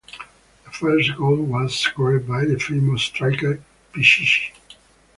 The first goal was scored by the famous striker Pichichi.